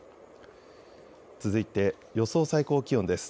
続いて予想最高気温です。